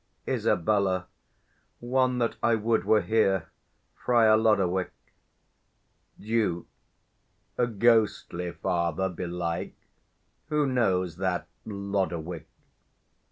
Isab. One that I would were here, Friar Lodowick. 125 Duke. A ghostly father, belike. Who knows that Lodowick?